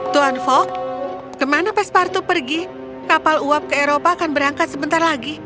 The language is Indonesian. tuan fok ke mana pespartu pergi kapal uap ke eropa akan berangkat sebentar lagi